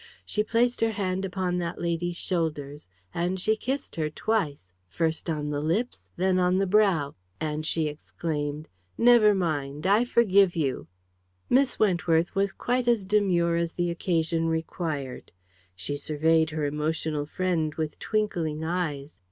She placed her hand upon that lady's shoulders. And she kissed her twice, first on the lips, then on the brow. And she exclaimed, "Never mind. I forgive you!" Miss Wentworth was quite as demure as the occasion required. She surveyed her emotional friend with twinkling eyes.